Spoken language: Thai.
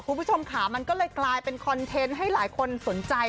คุณผู้ชมค่ะมันก็เลยกลายเป็นคอนเทนต์ให้หลายคนสนใจ